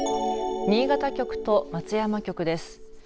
新潟局と松山局です。